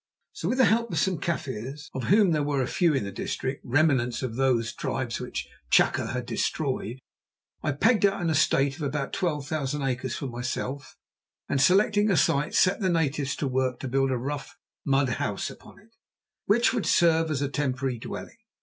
So with the help of some Kaffirs, of whom there were a few in the district, remnants of those tribes which Chaka had destroyed, I pegged out an estate of about twelve thousand acres for myself, and, selecting a site, set the natives to work to build a rough mud house upon it which would serve as a temporary dwelling.